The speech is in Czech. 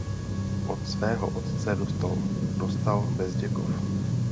Od svého otce dostal dostal Bezděkov.